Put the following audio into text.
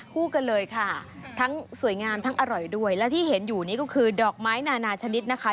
คู่กันเลยค่ะทั้งสวยงามทั้งอร่อยด้วยและที่เห็นอยู่นี่ก็คือดอกไม้นานาชนิดนะคะ